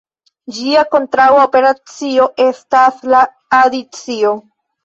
Ĝia kontraŭa operacio estas la adicio.